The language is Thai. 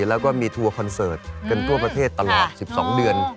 แล้วก็มีทัวร์คอนเสิร์ตกันทั่วประเทศตลอด๑๒เดือน